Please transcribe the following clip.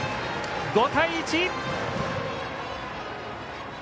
５対１。